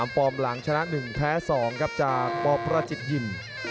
ฟอร์มหลังชนะ๑แพ้๒ครับจากปประจิตยิม